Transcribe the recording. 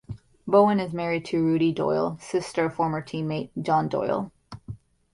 Bowen is married to Rudie Doyle, sister of former team mate John Doyle.